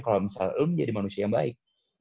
kalau misalnya lo menjadi manusia yang baik